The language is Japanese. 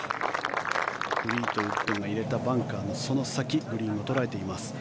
フリートウッドが入れたバンカーのその先グリーンを捉えています。